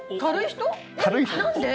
何で？